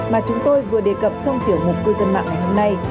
mà chúng tôi vừa đề cập trong tiểu mục cư dân mạng ngày hôm nay